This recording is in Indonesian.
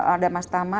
ada mas tama